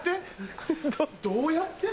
どうやって？